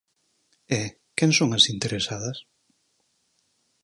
E, quen son as interesadas?